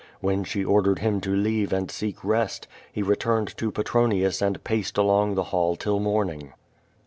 When she ordered him to leave and seek rest, he returned to Petronius and paced along the hall till morning.